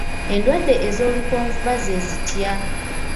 Endwadde ez'olukonvuba ze zitya?